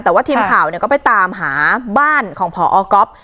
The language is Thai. แต่ว่าทีมข่าวก็ไปตามหาบ้านของพอก๊อฟ